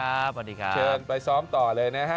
เชิญไปซ้อมต่อเลยนะฮะ